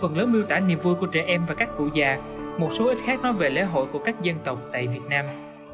nói về lễ hội của các dân tộc tại việt nam